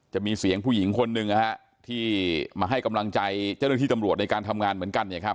จะมีเสียงผู้หญิงคนหนึ่งนะฮะที่มาให้กำลังใจเจ้าหน้าที่ตำรวจในการทำงานเหมือนกันเนี่ยครับ